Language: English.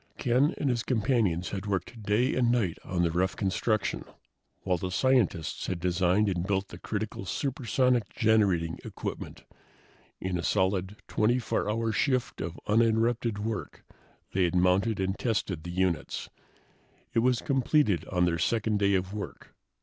Ken and his companions had worked day and night on the rough construction, while the scientists had designed and built the critical supersonic generating equipment. In a solid, 24 hour shift of uninterrupted work they had mounted and tested the units. It was completed on their second day of work.